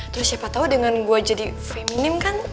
terus siapa tau dengan gue jadi feminim kan